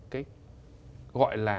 cái gọi là